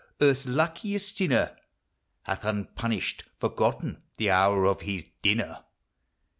earth's luckiest sinner Hath unpunished forgotten the hour of his dinner